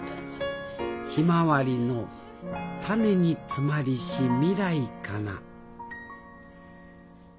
「ひまはりの種につまりし未来かな」